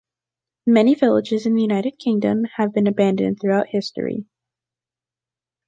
Many villages in the United Kingdom have been abandoned throughout history.